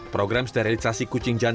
program sterilisasi kucing jantung